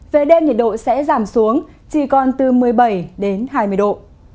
về đêm nhiệt độ sẽ giảm xuống chỉ còn từ một mươi bảy đến hai mươi độ